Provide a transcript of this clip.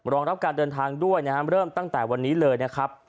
รองรับการเดินทางด้วยนะครับเริ่มตั้งแต่วันนี้เลยนะครับ